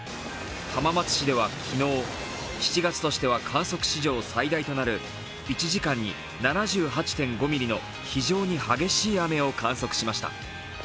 浜松市では昨日、７月としては観測史上最大となる１時間に７８．５ミリの非常に激しい雨を観測しました。